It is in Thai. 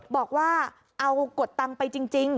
บอกว่าเอากดตังค์ไปจริง